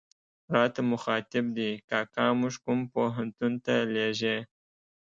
راته مخاطب دي، کاکا موږ کوم پوهنتون ته لېږې.